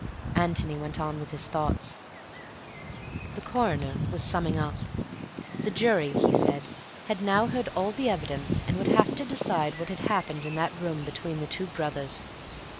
Antony went on with his thoughts.... The Coroner was summing up. The jury, he said, had now heard all the evidence and would have to decide what had happened in that room between the two brothers.